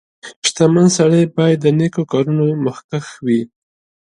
• شتمن سړی باید د نیکو کارونو مخکښ وي.